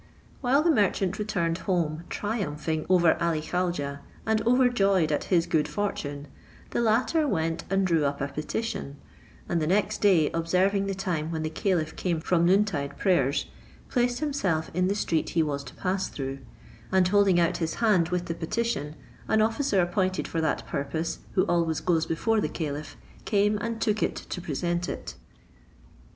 While the merchant returned home triumphing over Ali Khaujeh and overjoyed at his good fortune, the latter went and drew up a petition; and the next day observing the time when the caliph came from noon tide prayers, placed himself in the street he was to pass through; and holding out his hand with the petition, an officer appointed for that purpose, who always goes before the caliph, came and took it to present it.